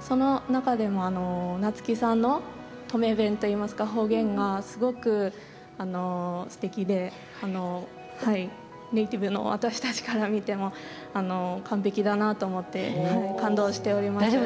その中でも夏木さんの登米弁方言がすごくすてきでネイティブの私たちから見ても完璧だなと思って感動しております。